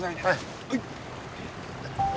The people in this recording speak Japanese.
はい。